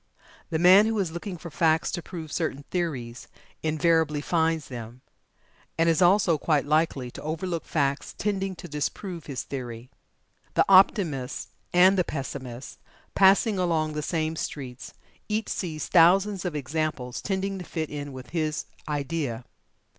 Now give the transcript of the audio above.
The man who is looking for facts to prove certain theories, invariably finds them, and is also quite likely to overlook facts tending to disprove his theory. The Optimist and the Pessimist passing along the same streets, each sees thousands of examples tending to fit in with his idea.